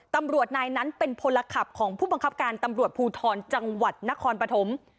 ตำรวจนายนั้นเป็นพลขับของผู้บังคับการตำรวจภูทรจังหวัดนครปฐม